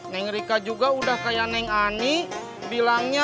neng rika juga udah kayak neng ani bilangnya